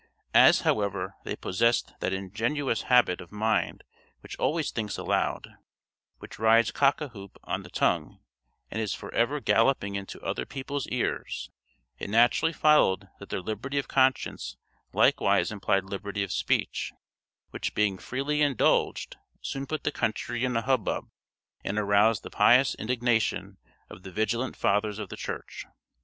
As, however, they possessed that ingenuous habit of mind which always thinks aloud which rides cock a hoop on the tongue, and is for ever galloping into other people's ears it naturally followed that their liberty of conscience likewise implied liberty of speech, which being freely indulged, soon put the country in a hubbub, and aroused the pious indignation of the vigilant fathers of the Church.